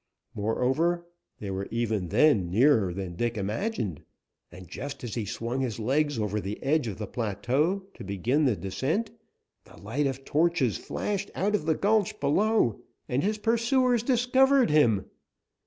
Moreover, they were even then nearer than Dick imagined, and just as he swung his legs over the edge of the plateau to begin the descent, the light of torches flashed out of the gulch below and his pursuers discovered him.